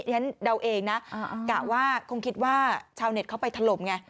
ฉันเดาเองนะกะว่าคงคิดว่าชาวเน็ตเขาไปถล่มไง